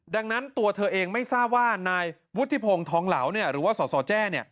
ดังนั้นตัวเธอเองไม่ทราบว่านายวุฒิพงศ์ทองเหลาหรือว่าสสแจ้